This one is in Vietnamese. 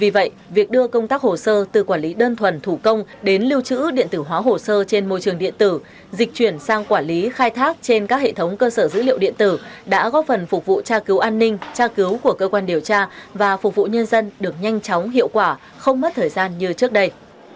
vì vậy việc đưa công tác hồ sơ từ quản lý đơn thuần thủ công đến lưu trữ điện tử hóa hồ sơ trên môi trường điện tử dịch chuyển sang quản lý khai thác trên các hệ thống cơ sở dữ liệu điện tử đã góp phần phục vụ tra cứu an ninh tra cứu của cơ quan điều tra và phục vụ nhân dân được nhanh chóng hiệu quả không mất thời gian như trước đây